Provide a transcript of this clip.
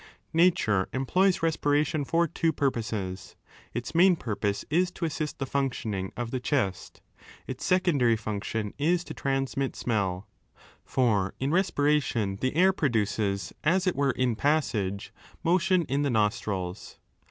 ^Nature employs respiration for two purposes; 19 its main purpose is to assist the functioning of the chest ; its secondary function is to transmit smell. For in respiration the air produces, as it were in passage, motion in the nostrils.